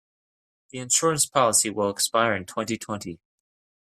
The insurance policy will expire in twenty-twenty.